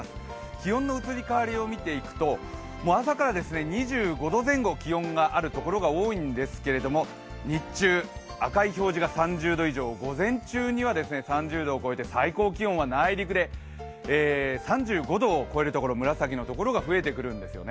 気温の移り変わりを見ていくと朝から２５度前後、気温があるところが多いんですけれども日中、赤い表示が３０度以上、午前中には３０度を超えて最高気温は内陸で３５度を超える所紫のところが増えてくるんです。